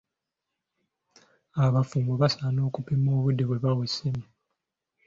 Abafumbo basaana okupima obudde bwe bawa essimu.